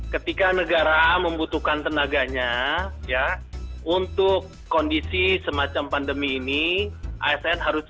ketika negara membutuhkan tenaganya ya untuk kondisi semacam pandemi ini asn harus